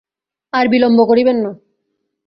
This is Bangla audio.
আর বিলম্ব করিবেন না।